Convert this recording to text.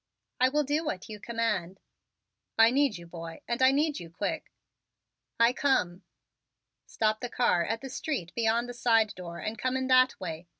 "I will do what you command." "I need you, boy, and I need you quick." "I come." "Stop the car at the street beyond the side door and come in that way.